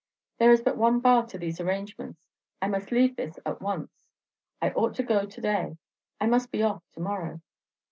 "There is but one bar to these arrangements: I must leave this at once; I ought to go to day. I must be off to morrow."